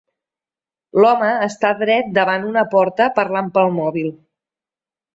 L'home està dret davant una porta parlant pel mòbil.